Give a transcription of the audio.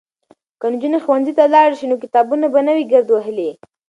که نجونې ښوونځي ته لاړې شي نو کتابونه به نه وي ګرد وهلي.